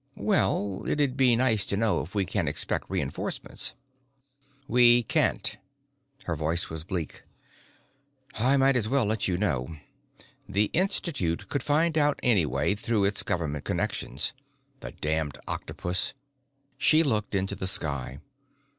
"Well, it'd be nice to know if we can expect reinforcements." "We can't." Her voice was bleak. "I might as well let you know. The Institute could find out anyway through its government connections the damned octopus!" he looked into the sky.